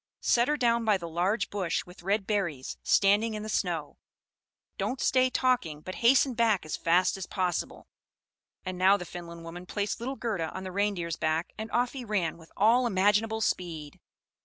Set her down by the large bush with red berries, standing in the snow; don't stay talking, but hasten back as fast as possible." And now the Finland woman placed little Gerda on the Reindeer's back, and off he ran with all imaginable speed.